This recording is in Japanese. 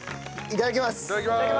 いただきます。